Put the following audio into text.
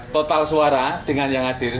total suara dengan yang hadir